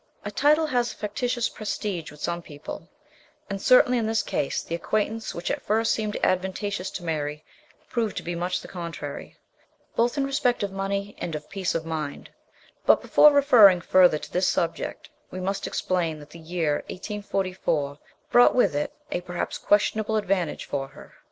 A title has a factitious prestige with some people, and certainly in this case the acquaintance which at first seemed advantageous to Mary proved to be much the contrary, both in respect of money and of peace of mind ; but, before referring further to this subject, we must explain that the year 1844 brought with it a perhaps questionable advantage for her. 232 MRS.